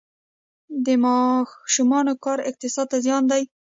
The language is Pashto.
د ماشومانو کار اقتصاد ته زیان دی؟